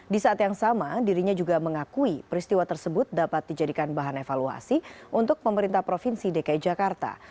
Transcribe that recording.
di saat yang sama dirinya juga mengakui peristiwa tersebut dapat dijadikan bahan evaluasi untuk pemerintah provinsi dki jakarta